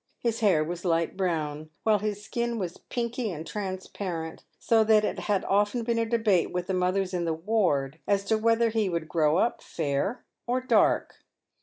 His hair was light brown, while his skin was pinky and transparent, so that it had often been a debate with the mothers in the ward, as to whether he would grow up fair or dark.